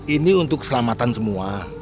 ini untuk keselamatan semua